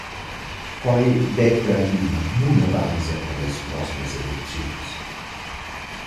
Quai detta üna buna basa per las prosmas elecziuns.